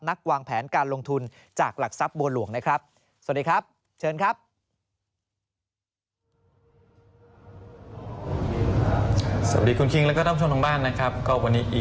นักวางแผนการลงทุนจากหลักทรัพย์บัวหลวงนะครับ